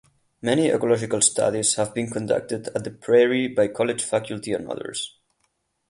Many ecological studies have been conducted at the prairie by college faculty and others.